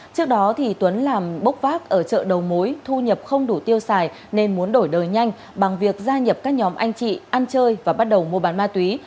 trước đó tuấn làm bốc vác ở chợ đầu mối thu nhập không đủ tiêu xài nên muốn đổi đời nhanh bằng việc gia nhập các nhóm anh chị ăn chơi và bắt đầu mua bán ma túy